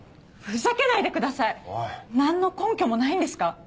ふざけないでください！何の根拠もないんですか？